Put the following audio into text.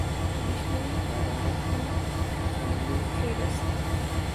Additionally, there are a few Somali traders.